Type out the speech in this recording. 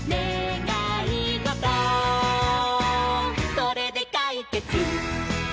「これでかいけつ！」